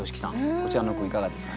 こちらの句いかがですかね。